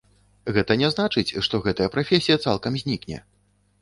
Гэта не значыць, што гэтая прафесія цалкам знікне.